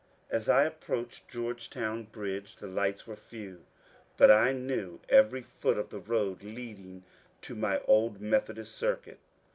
As I approached Georgetown bridge the lights were few, but I knew every foot of the road leading to my old Methodist circuit.